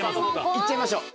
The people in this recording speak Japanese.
いっちゃいましょう。